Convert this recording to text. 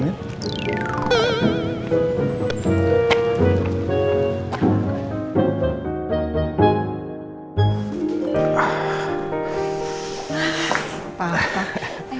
tidak ada makanan kan